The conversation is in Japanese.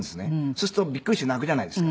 そうするとビックリして泣くじゃないですか。